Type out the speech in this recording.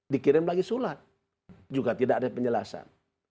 dikirim lagi surat juga tidak ada penjelasan